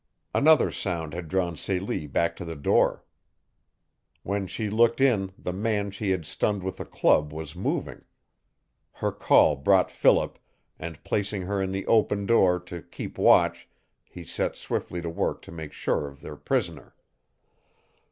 Another sound had drawn Celie back to the door. "When she looked in the man she had stunned with the club was moving. Her call brought Philip, and placing her in the open door to keep watch he set swiftly to work to make sure of their prisoner.